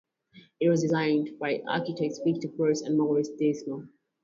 It was designed by architects Victor Prus and Maurice Desnoyers.